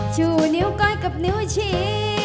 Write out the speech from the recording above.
ชูนิ้วก้อยกับนิ้วชี้